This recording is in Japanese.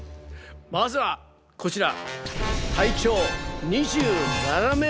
まずはこちら。